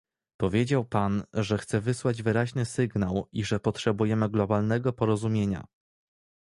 Powiedział pan, że chce wysłać wyraźny sygnał i że potrzebujemy globalnego porozumienia